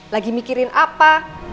lagi mikirin apa